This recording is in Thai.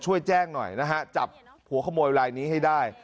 ช่วยแจ้งหน่อยนะฮะจับหัวขโมยลายนี้ให้ได้